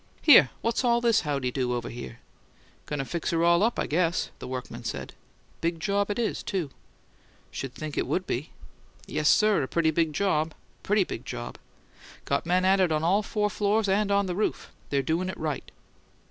"Here! What's all this howdy do over here?" "Goin' to fix her all up, I guess," the workman said. "Big job it is, too." "Sh' think it would be." "Yes, sir; a pretty big job a pretty big job. Got men at it on all four floors and on the roof. They're doin' it RIGHT."